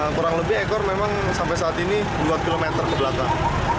kurang lebih ekor memang sampai saat ini dua km ke belakang